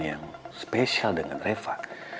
yang spesial dengan reva